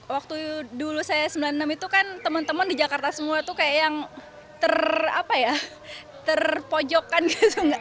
waktu dulu saya sembilan puluh enam itu kan temen temen di jakarta semua tuh kayak yang ter apa ya terpojokan gitu